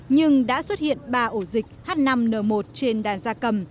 nhưng đã xuất hiện ba ổ dịch h năm n một trên đàn da cầm